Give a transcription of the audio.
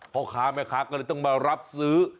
พ่อค้าแม่ค้าก็เลยต้องมารับซื้อ